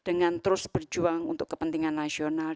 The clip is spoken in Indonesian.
dengan terus berjuang untuk kepentingan nasional